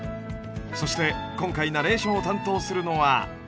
そして今回ナレーションを担当するのは。